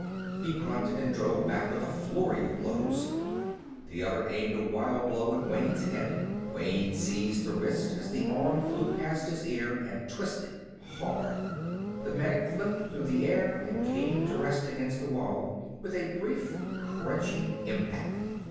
He grunted and drove back with a flurry of blows. The other aimed a wild blow at Wayne's head; Wayne seized the wrist as the arm flew past his ear, and twisted, hard. The medic flipped through the air and came to rest against the wall with a brief crunching impact.